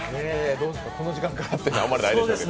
どうですか、この時間からというのはあまりないでしょうけど。